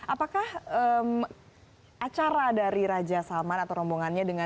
apakah acara dari raja salman atau rombongannya dengan